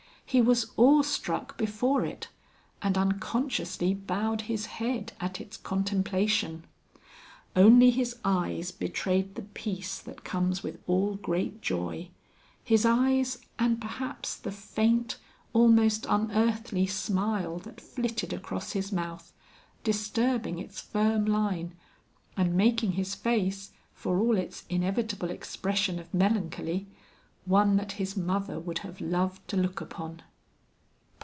He was awe struck before it, and unconsciously bowed his head at its contemplation. Only his eyes betrayed the peace that comes with all great joy, his eyes and perhaps the faint, almost unearthly smile that flitted across his mouth, disturbing its firm line and making his face for all its inevitable expression of melancholy, one that his mother would have loved to look upon.